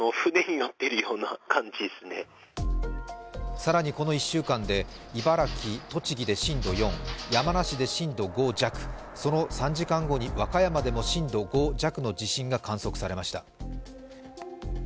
更にこの１週間で茨城、栃木で震度４、山梨で震度５弱、その３時間後に和歌山でも震度５弱の地震が観測されました。